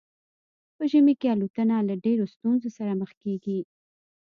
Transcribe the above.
په ژمي کې الوتنه له ډیرو ستونزو سره مخ کیږي